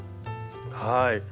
はい。